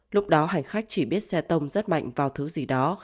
lúc đó hành khách chỉ biết xe tông rất mạnh vào thứ gì đó